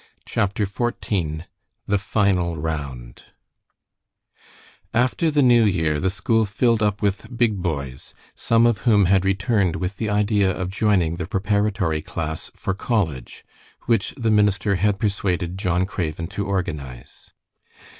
CHAPTER XIV THE FINAL ROUND After the New Year the school filled up with big boys, some of whom had returned with the idea of joining the preparatory class for college, which the minister had persuaded John Craven to organize.